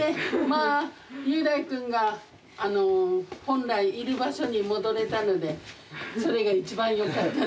まあ侑大くんが本来いる場所に戻れたのでそれが一番よかったです。